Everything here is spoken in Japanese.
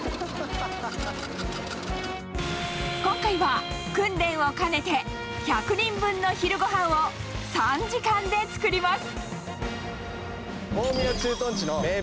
今回は、訓練を兼ねて、１００人分の昼ごはんを３時間で作ります。